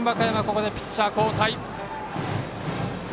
ここでピッチャー交代。